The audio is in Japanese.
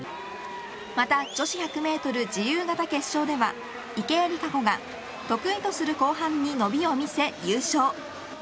また、女子１００メートル自由形決勝では池江璃花子が、得意とする後半に伸びを見せ優勝。